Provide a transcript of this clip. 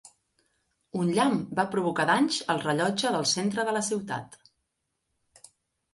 Un llamp va provocar danys al rellotge del centre de la ciutat.